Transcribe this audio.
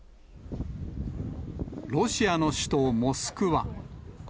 ロシアの首都モスクワ。